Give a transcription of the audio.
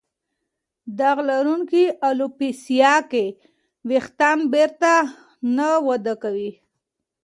داغ لرونکې الوپیسیا کې وېښتان بېرته نه وده کوي.